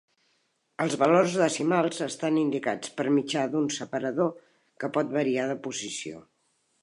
Els valors decimals estan indicats per mitjà d'un separador, que pot variar de posició.